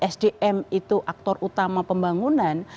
sdm itu aktor utama pembangunan